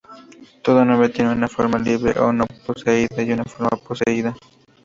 Todo nombre tiene una forma libre o no poseída y una forma poseída.